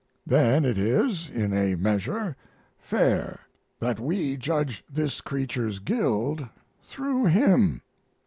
Then it is, in a measure, fair that we judge this creature's guild through him.